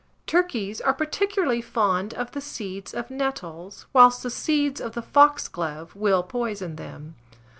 Turkeys are particularly fond of the seeds of nettles, whilst the seeds of the foxglove will poison them.